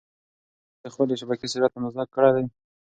ایا تاسي د خپلې شبکې سرعت اندازه کړی دی؟